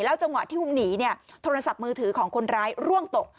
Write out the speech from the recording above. จังหวะที่คุณหนีเนี่ยโทรศัพท์มือถือของคนร้ายร่วงตก